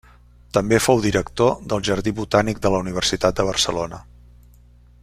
També fou director del Jardí Botànic de la Universitat de Barcelona.